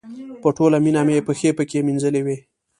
په ټوله مینه مې پښې پکې مینځلې وې.